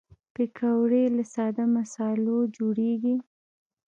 پکورې له ساده مصالحو جوړېږي